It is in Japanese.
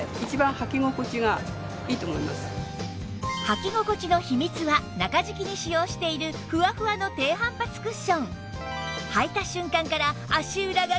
履き心地の秘密は中敷きに使用しているふわふわの低反発クッション